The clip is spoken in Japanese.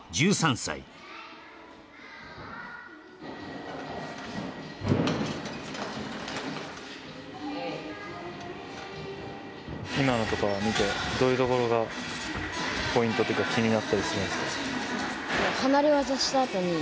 １３歳今のとか見てどういうところがポイントっていうか気になったりするんですか？